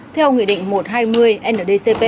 theo nguyện định một trăm hai mươi ndcp